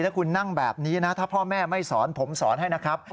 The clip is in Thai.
ถ้าคุณนั่งแบบนี้นะถ้าพ่อแม่ไม่สอนผมสอนให้นะครับ